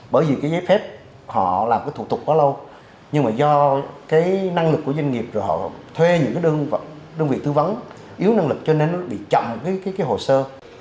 bởi vì cái giấy phép họ làm cái thủ tục quá lâu nhưng mà do cái năng lực của doanh nghiệp rồi họ thuê những cái đơn vị tư vấn yếu năng lực cho nên nó bị chậm cái hồ sơ